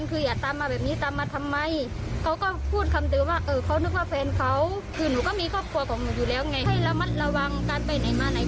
คือพยาบาทไม่จำเป็นจริงนะพยายามอย่าออกจากบ้าน